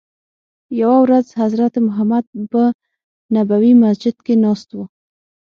یوه ورځ حضرت محمد په نبوي مسجد کې ناست وو.